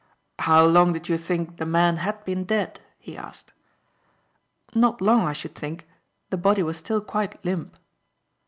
"How long did you think the man had been dead?" he asked. "Not long, I should think. The body was still quite limp."